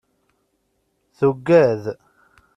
Tuggad.